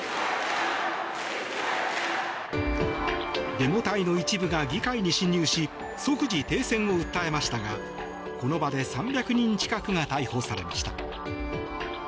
デモ隊の一部が議会に侵入し即時停戦を訴えましたがこの場で３００人近くが逮捕されました。